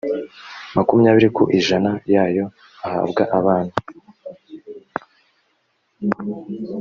makumyabiri ku ijana yayo ahabwa abana